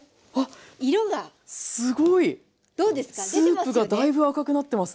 スープがだいぶ赤くなってますね。